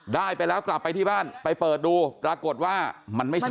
ได้ไปแล้วกลับไปที่บ้านไปเปิดดูปรากฏว่ามันไม่ใช่